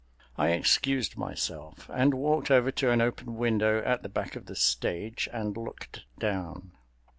I excused myself and walked over to an open window at the back of the stage and looked down.